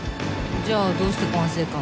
じゃあどうして管制官に？